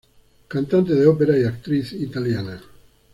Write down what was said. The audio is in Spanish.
Cantante de ópera y actriz italiana.